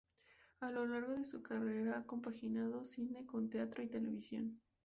A lo largo de su carrera ha compaginado cine con teatro y televisión.